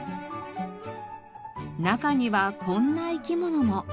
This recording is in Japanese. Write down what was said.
中にはこんな生き物も。